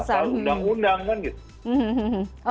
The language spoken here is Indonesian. atau pasal pasal undang undang kan gitu